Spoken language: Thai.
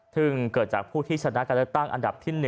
ซึ่งเกิดจากผู้ที่ชนะการเลือกตั้งอันดับที่๑